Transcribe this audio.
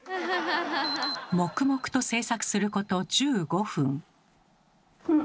黙々と制作すること１５分。